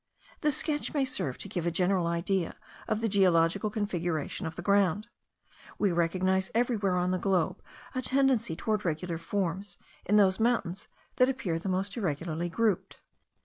This sketch may serve to give a general idea of the geological configuration of the ground. We recognize everywhere on the globe a tendency toward regular forms, in those mountains that appear the most irregularly grouped.